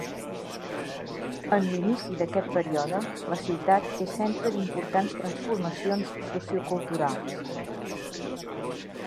En l'inici d'aquest període la ciutat és centre d'importants transformacions socioculturals.